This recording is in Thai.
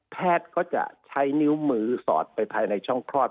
แพทย์ก็จะใช้นิ้วมือสอดไปภายในช่องคลอด